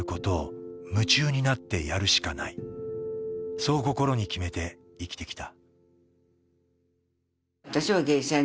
そう心に決めて生きてきた。